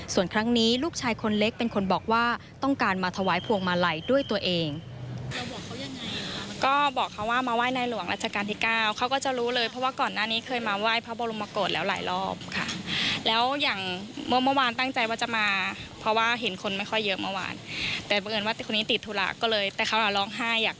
ส่วนครั้งนี้ลูกชายคนเล็กเป็นคนบอกว่าต้องการมาถวายพวงมาลัยด้วยตัวเอง